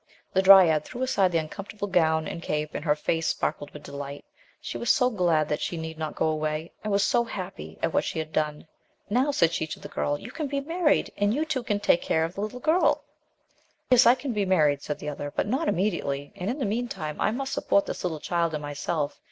HE dryad threw aside the uncomfortable gown and cape, and her face sparkled with delight ; she was so glad that she need not go away and was so happy at what she had done. "Now," said she to the girl, "you can be married, and you two can take care of the little girl." 23 THE LOST DRYAD "Yes, I can be married," said the other, "but not immediately, and in the meantime I must support this little child and myself.